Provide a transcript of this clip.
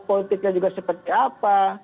politiknya juga seperti apa